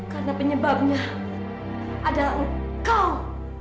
karena penyebabnya adalah engkau